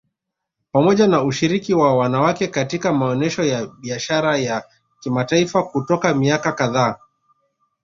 Pamoja na ushiriki wa wanawake katika maonesho ya Biashara ya kimataifa kutoka miaka kadhaa